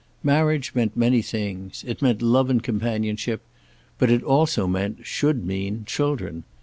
Marriage meant many things. It meant love and companionship, but it also meant, should mean, children.